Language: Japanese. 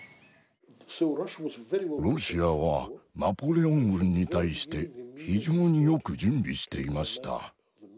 ロシアはナポレオン軍に対して非常によく準備していました。